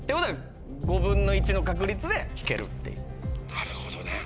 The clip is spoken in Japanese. なるほどね。